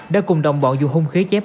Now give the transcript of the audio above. đã cùng đồng bọn dù hung khí chém